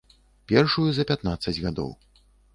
Першую за пятнаццаць гадоў.